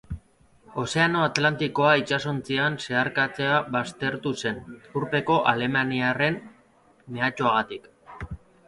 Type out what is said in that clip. Ozeano Atlantikoa itsasontzian zeharkatzea baztertu zen, urpeko alemaniarren mehatxuagatik.